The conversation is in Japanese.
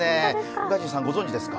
宇賀神さん、ご存じですか？